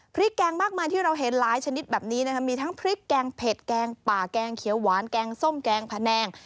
แกงมากมายที่เราเห็นหลายชนิดแบบนี้นะคะมีทั้งพริกแกงเผ็ดแกงป่าแกงเขียวหวานแกงส้มแกงพะแนง